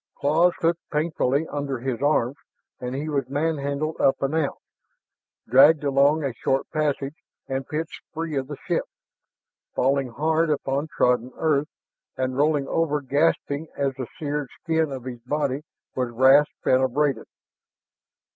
Claws hooked painfully under his arms and he was manhandled up and out, dragged along a short passage and pitched free of the ship, falling hard upon trodden earth and rolling over gasping as the seared skin of his body was rasped and abraded.